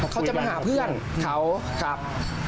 เขาจะมาหาเพื่อนเขาครับ